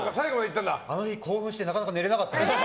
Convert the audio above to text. あの日、興奮してなかなか寝れなかった。